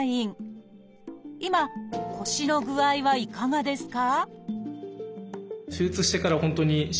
今腰の具合はいかがですか？